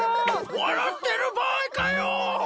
笑ってる場合かよ！